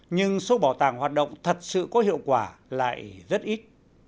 nhưng số bảo tàng hoạt động thật sự có hiệu quả lại rất ít